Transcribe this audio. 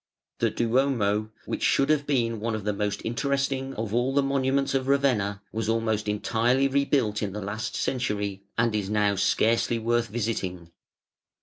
The Duomo, which should have been one of the mosf interesting of all the monuments of Ravenna, was almost entirely rebuilt in the last century, and is now scarcely worth visiting.